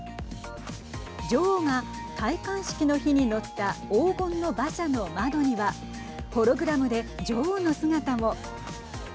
女王が、戴冠式の日に乗った黄金の馬車の窓にはホログラムで女王の姿も。